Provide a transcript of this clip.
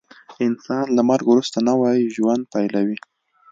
انسان له مرګ وروسته نوی ژوند پیلوي